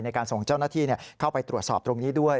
ในการส่งเจ้าหน้าที่เข้าไปตรวจสอบตรงนี้ด้วย